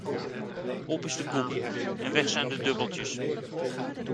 Op is de koek, en weg zijn de dubbeltjes.